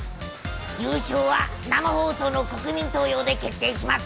優勝は生放送の国民投票で決定します。